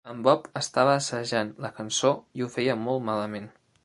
En Bob estava assajant la cançó, i ho feia molt malament.